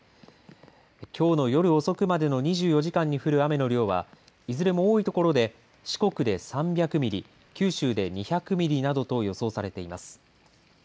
きょうの夜遅くまでの２４時間に降る雨の量はいずれも多いところで四国で３００ミリ、九州で２００ミリなどと予想されています。